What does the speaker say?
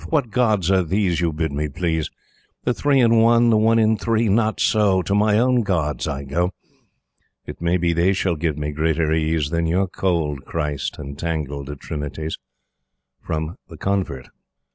What Gods are these You bid me please? The Three in One, the One in Three? Not so! To my own Gods I go. It may be they shall give me greater ease Than your cold Christ and tangled Trinities. The Convert.